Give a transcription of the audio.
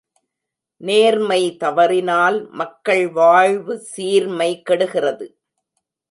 நேர்மை தவறினால் மக்கள் வாழ்வு சீர்மை கெடுகிறது.